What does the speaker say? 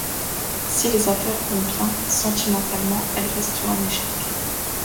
Si les affaires vont bien, sentimentalement, elle reste sur un échec.